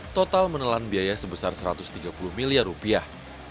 total menelan biaya sebesar satu ratus tiga puluh miliar rupiah